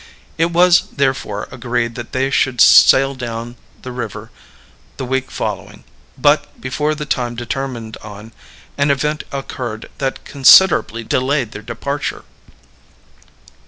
It was, therefore, agreed that they should sail down the river the week following; but, before the time determined on, an event occurred that considerably delayed their departure.